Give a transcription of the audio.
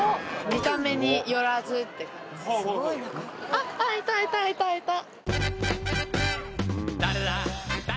あっいたいたいたいた！